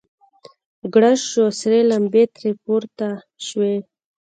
ګړز سو سرې لمبې ترې پورته سوې.